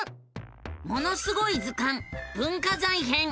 「ものすごい図鑑文化財編」！